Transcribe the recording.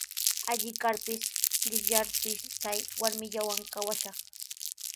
Alli karpis, qishyarpis chay warmillawan kawashaq.